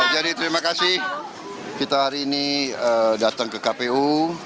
jadi terima kasih kita hari ini datang ke kpu